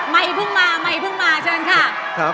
ไมค์พึ่งมาเชิญค่ะ